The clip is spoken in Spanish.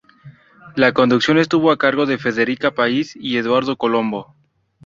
La conducción estuvo a cargo de Federica Pais y Eduardo Colombo.